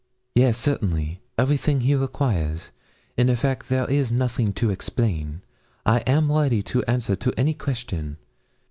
'Yes, certainly, everything he requires in effect there is nothing to explain. I am ready to answer to any question.